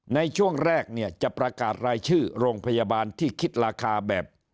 ในช่วงแรกเนี่ยจะประกาศรายชื่อโรงพยาบาลที่คิดราคาแบบ